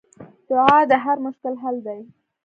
دعا د هر مشکل حل دی.